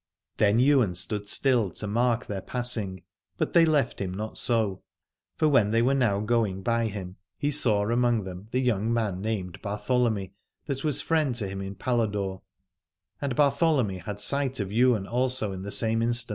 Then Ywain stood still to mark their passing : but they left him not so. For when they were now going by him he saw among them the young man named Bartholomy, that was friend to him in Paladore, and Bartho lomy had sight of Ywain also in the same instant.